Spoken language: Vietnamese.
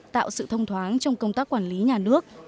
tạo sự thông thoáng trong công tác quản lý nhà nước